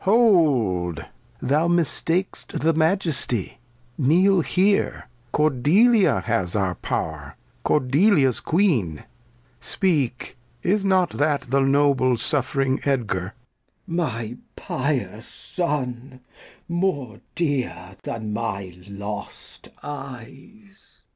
Lear. Hold, thou mistak'st the Majesty, kneel here; Cordelia has our Pow'r, Cordelia's Queen. Speak, is not that the noble Suff'ring Edgar ? Glost. My pious Son, more dear than my lost Eyes.